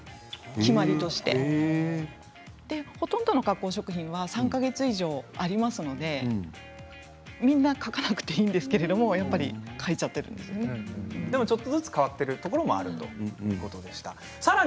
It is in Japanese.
決まりとしてほとんどの加工食品は３か月以上ありますのでみんな書かなくていいんですけれどもでもちょっとずつ変わっているところもあるということです。